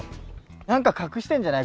何か隠してんじゃない？